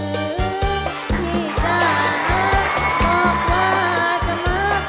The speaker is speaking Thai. แม่ลืมพี่จะเหมือนบอกว่าจะมาเพราะมันนี่